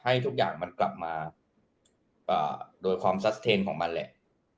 ให้ทุกอย่างมันกลับมาโดยความซัดเทนของมันแหละ